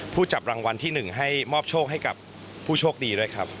จับรางวัลที่๑ให้มอบโชคให้กับผู้โชคดีด้วยครับ